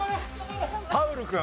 パウル君。